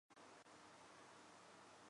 在田里也需帮忙